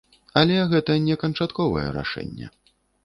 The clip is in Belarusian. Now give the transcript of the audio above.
Але гэта не канчатковае рашэнне.